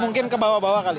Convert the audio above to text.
mungkin ke bawah bawah kali